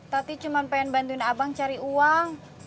tapi cuma pengen bantuin abang cari uang